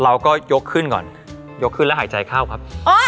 เราก็ยกขึ้นก่อนยกขึ้นแล้วหายใจเข้าครับ